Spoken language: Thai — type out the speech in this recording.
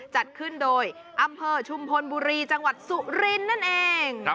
จัดขึ้นโดยอำเภอชุมพลบุรีจังหวัดสุรินทร์นั่นเอง